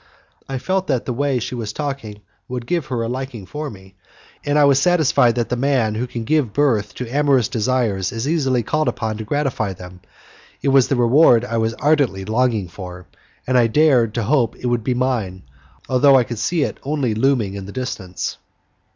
I felt that the way she was talking would give her a liking for me, and I was satisfied that the man who can give birth to amorous desires is easily called upon to gratify them. It was the reward I was ardently longing for, and I dared to hope it would be mine, although I could see it only looming in the distance.